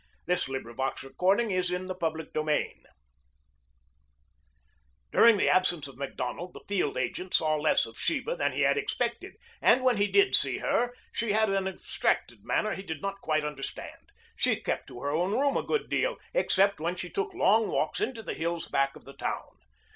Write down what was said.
"Perhaps," she said. CHAPTER XIII DIANE AND GORDON DIFFER During the absence of Macdonald the field agent saw less of Sheba than he had expected, and when he did see her she had an abstracted manner he did not quite understand. She kept to her own room a good deal, except when she took long walks into the hills back of the town.